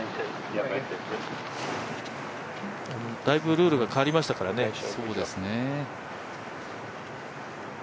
だいぶルールが変わりましたからね。